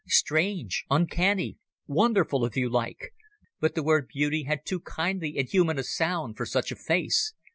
Strange, uncanny, wonderful, if you like, but the word beauty had too kindly and human a sound for such a face.